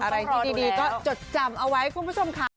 อะไรที่ดีก็จดจำเอาไว้คุณผู้ชมค่ะ